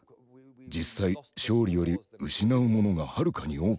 実際勝利より失うものがはるかに多かった。